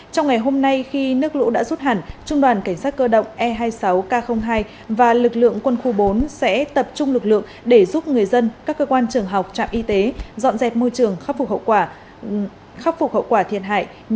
trong ngày hôm nay khi nước lũ đã rút hẳn trung đoàn cảnh sát cơ động e hai mươi sáu k hai và lực lượng quân khu bốn sẽ tập trung lực lượng để giúp người dân các cơ quan trường học trạm y tế dọn dẹp môi trường khắc phục hậu quả thiệt hại nhằm sớm ổn định cuộc sống